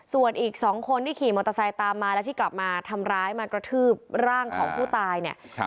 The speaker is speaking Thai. ส่วนอีกสองคนที่ขี่มอเตอร์ไซค์ตามมาแล้วที่กลับมาทำร้ายมากระทืบร่างของผู้ตายเนี่ย